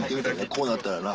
こうなったらな。